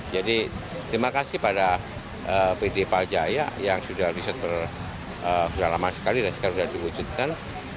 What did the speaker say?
jadi terima kasih pada bd paljaya yang sudah riset berusaha lama sekali dan sekarang sudah diwujudkan